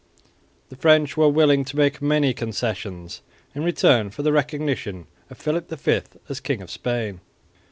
The French were willing to make many concessions in return for the recognition of Philip V as King of Spain.